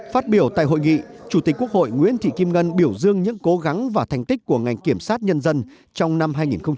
phát biểu tại hội nghị chủ tịch quốc hội nguyễn thị kim ngân biểu dương những cố gắng và thành tích của ngành kiểm sát nhân dân trong năm hai nghìn một mươi tám